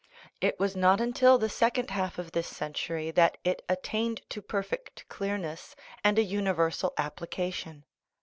It was not until the second half of this century that it at tained to perfect clearness and a universal application.